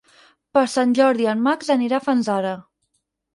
Per Sant Jordi en Max anirà a Fanzara.